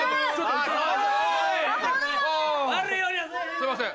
すいません。